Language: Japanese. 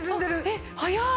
えっ早い！